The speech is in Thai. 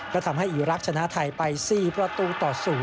ก็ทำให้อีรักษ์ชนะไทยไป๔ประตูต่อ๐